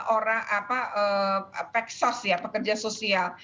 orang apa pek sos ya pekerja sosial